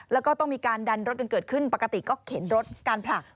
แล้วก็ต้องมีการดันรถกันเกิดขึ้นปกติก็เข็นรถการผลัก